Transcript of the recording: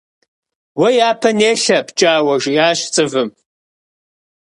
Уэ япэ нелъэ, ПкӀауэ, - жиӀащ ЦӀывым.